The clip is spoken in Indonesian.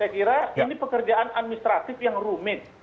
saya ingin mengatakan ini adalah pekerjaan administrasi yang rumit